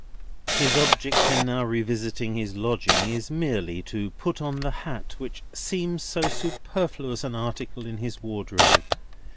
His object in now revisiting his lodging is merely to put on the hat which seems so superfluous an article in his wardrobe.